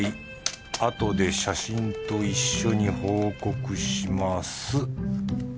あとで写真と一緒に報告します」。